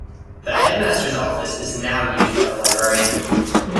The Headmaster's office is now used by the librarian.